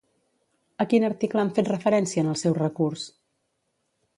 A quin article han fet referència en el seu recurs?